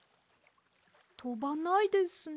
とばないですね。